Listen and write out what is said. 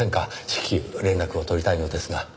至急連絡を取りたいのですが。